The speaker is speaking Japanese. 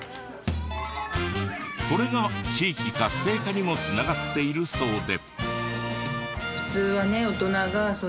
これが地域活性化にも繋がっているそうで。